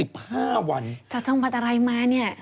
จากจังหวัดอะไรมาเนี่ย